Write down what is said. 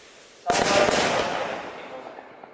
საუბარია სხვადასხვა ტიპის კიბოზე.